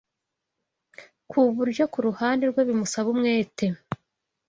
ku buryo ku ruhande rwe bimusaba umwete